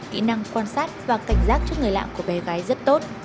kỹ năng quan sát và cảnh giác trước người lạng của bé gái rất tốt